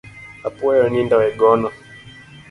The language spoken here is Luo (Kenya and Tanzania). Apuoyo onindo e gono.